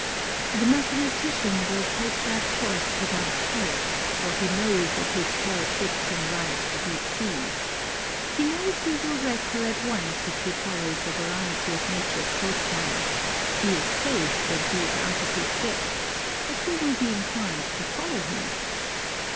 The mathematician will take that course without fear, for he knows that his tall ship can ride the deep seas ; he knows he will wreck her at once if he follows the variety of Nature's coast line , he is safe when he is out of his depth, but who will be inclined to follow him